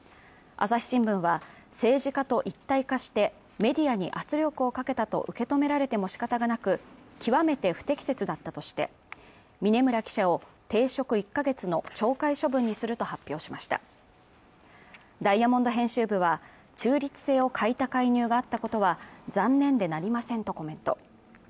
朝日新聞は政治家と一体化してメディアに圧力をかけたと受け止められても仕方がなく極めて不適切だったとして峯村記者を停職１か月の懲戒処分にすると発表しましたダイヤモンド編集部は中立性を欠いた介入があったことは残念でなりませんとコメント